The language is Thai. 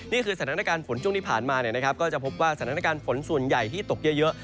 นี่คือสถานการณ์ฝนช่วงที่ผ่านมาก็จะพบว่าสถานการณ์ฝนส่วนใหญ่ที่ตกเยอะ